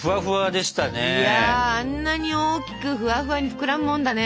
いやあんなに大きくフワフワに膨らむもんだね。